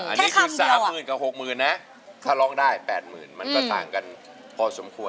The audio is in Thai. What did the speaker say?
อันนี้คือสามหมื่นกับหกหมื่นนะถ้าร้องได้แปดหมื่นมันก็ต่างกันพอสมควร